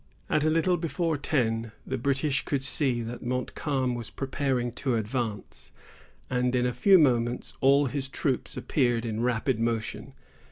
At a little before ten, the British could see that Montcalm was preparing to advance, and, in a few moments, all his troops appeared in rapid motion.